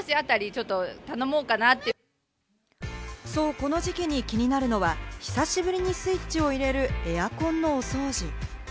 この時期に気になるのは、久しぶりにスイッチを入れるエアコンのお掃除。